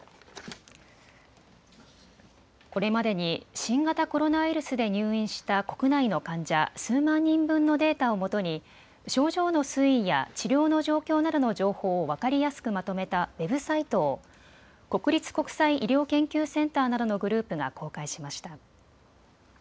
これまでに新型コロナウイルスで入院した国内の患者、数万人分のデータをもとに症状の推移や治療の状況などの情報を分かりやすくまとめたウェブサイトを国立国際医療研究センターなどのグループが公開しました。